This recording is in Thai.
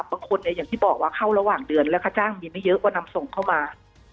บางคนเนี่ยอย่างที่บอกว่าเข้าระหว่างเดือนและค่าจ้างมีไม่เยอะกว่านำส่งเข้ามา